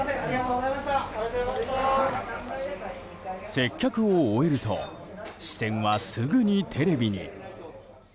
接客を終えると視線はすぐにテレビに。